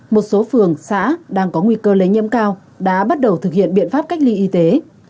một số phường xã đang có nguy cơ lây nhiễm cao đã bắt đầu thực hiện biện pháp cách ly y tế